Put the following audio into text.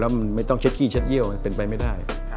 แล้วมันไม่ต้องเช็ดขี้เช็ดเยี่ยวเป็นไปไม่ได้